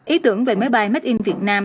ý tưởng về máy bay made in việt nam